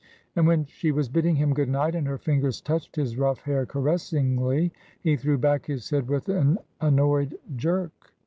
And when she was bidding him good night, and her fingers touched his rough hair caressingly, he threw back his head with an annoyed jerk.